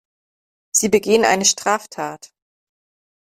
Sie begehen eine Straftat.